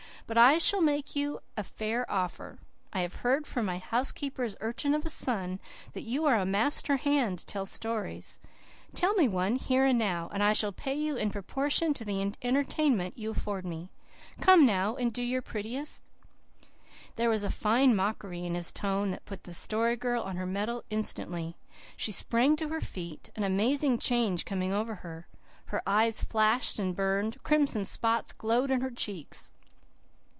But I shall make you a fair offer. I have heard from my housekeeper's urchin of a son that you are a 'master hand' to tell stories. Tell me one, here and now. I shall pay you in proportion to the entertainment you afford me. Come now, and do your prettiest." There was a fine mockery in his tone that put the Story Girl on her mettle instantly. She sprang to her feet, an amazing change coming over her. Her eyes flashed and burned; crimson spots glowed in her cheeks.